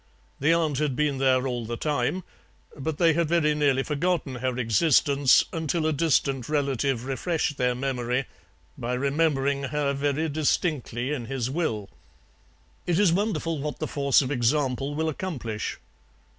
The aunt had been there all the time, but they had very nearly forgotten her existence until a distant relative refreshed their memory by remembering her very distinctly in his will; it is wonderful what the force of example will accomplish.